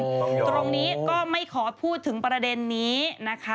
ตรงนี้ก็ไม่ขอพูดถึงประเด็นนี้นะคะ